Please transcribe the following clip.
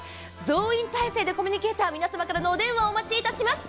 増員体勢でコミュニケーター皆様からのお電話、お待ちしています。